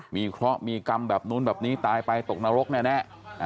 มีกรรมแบบนู้นแบบนี้ตายไปตกนรกแน่